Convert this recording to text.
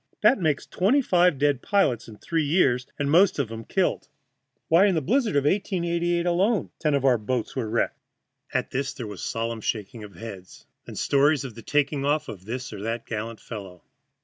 That makes twenty five dead pilots in three years, and most of 'em killed. Why, in the blizzard of 1888 alone ten of our boats were wrecked." At this there was a solemn shaking of heads, then stories of the taking off of this or that gallant fellow.